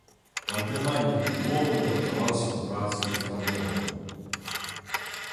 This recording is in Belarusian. Па атрыманні дыплому ўладкаваўся на працу ў філармонію.